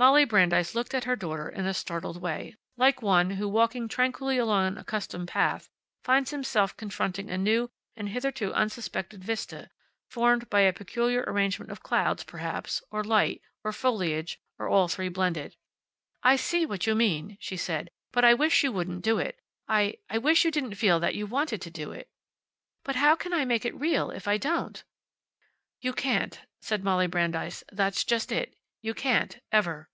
Molly Brandeis looked at her daughter in a startled way, like one who, walking tranquilly along an accustomed path, finds himself confronting a new and hitherto unsuspected vista, formed by a peculiar arrangement of clouds, perhaps, or light, or foliage, or all three blended. "I see what you mean," she said. "But I wish you wouldn't do it. I I wish you didn't feel that you wanted to do it." "But how can I make it real if I don't?" "You can't," said Molly Brandeis. "That's just it. You can't, ever."